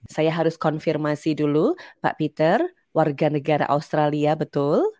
saya harus konfirmasi dulu pak peter warga negara australia betul